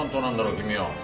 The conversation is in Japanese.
君は。